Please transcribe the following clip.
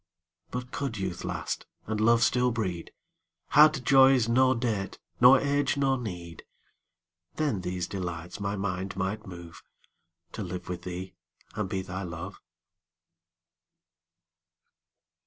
But could youth last, and love still breed, Had joys no date, nor age no need, Then these delights my mind might moveTo live with thee and be thy Love.